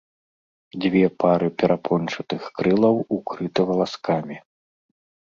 Дзве пары перапончатых крылаў укрыты валаскамі.